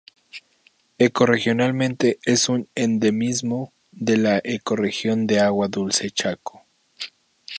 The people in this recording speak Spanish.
Ecorregionalmente es un endemismo de la ecorregión de agua dulce Chaco.